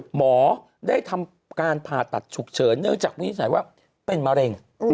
หมอได้ทำการผ่าตัดฉุกเฉินเนื่องจากวินิจฉัยว่าเป็นมะเร็ง